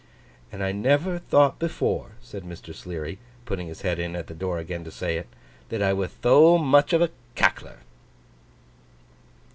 'And I never thought before,' said Mr. Sleary, putting his head in at the door again to say it, 'that I wath tho muth of a Cackler!